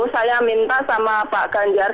saya minta sama pak ganjar